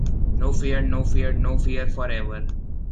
no fear no fear no fear for ever